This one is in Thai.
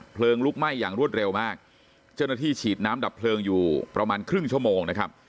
ลุกไหม้อย่างรวดเร็วมากเจ้าหน้าที่ฉีดน้ำดับเพลิงอยู่ประมาณครึ่งชั่วโมงนะครับ